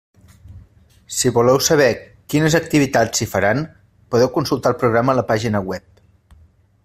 Si voleu saber quines activitats s'hi faran, podeu consultar el programa a la pàgina web.